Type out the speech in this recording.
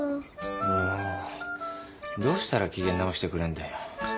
もうどうしたら機嫌直してくれんだよ。